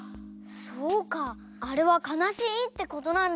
そうかあれはかなしいってことなんだ。